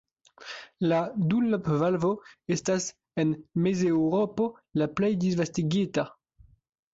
La "Dunlop-valvo" estas en Mezeŭropo la plej disvastigata.